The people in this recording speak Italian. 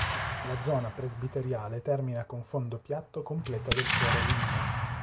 La zona presbiteriale termina con fondo piatto completa del coro ligneo.